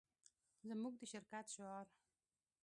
زموږ د شرکت شعار